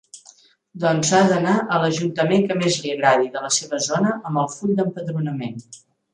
Doncs ha d'anar a l'ajuntament que més li agradi de la seva zona amb el full d'empadronament.